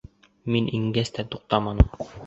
Мин ингәс тә туҡтаманы.